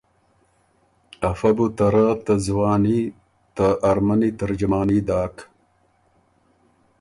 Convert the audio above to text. افۀ بو ته رۀ ته ځواني ته ارمنی ترجماني داک۔